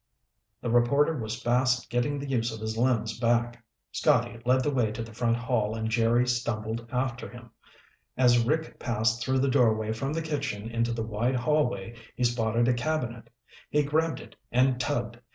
The reporter was fast getting the use of his limbs back. Scotty led the way to the front hall and Jerry stumbled after him. As Rick passed through the doorway from the kitchen into the wide hallway he spotted a cabinet. He grabbed it and tugged.